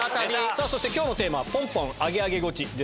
さぁ今日のテーマポンポンアゲアゲゴチです。